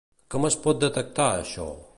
Com es pot detectar això?